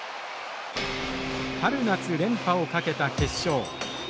春夏連覇を懸けた決勝。